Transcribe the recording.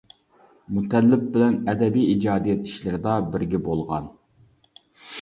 مۇتەللىپ بىلەن ئەدەبىي ئىجادىيەت ئىشلىرىدا بىرگە بولغان.